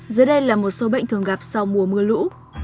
dưới đây là một số bệnh thường gặp sau mùa mưa lũ